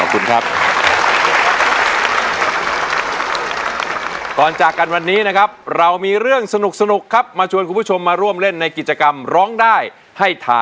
คุณลำเผินวงสกรขอบคุณมากนะครับ